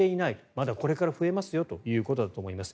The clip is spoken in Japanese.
まだこれから増えますよということだと思います。